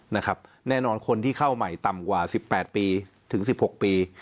แน่นอนคนที่เข้าใหม่ต่ำกว่า๑๘ปีถึง๑๖ปี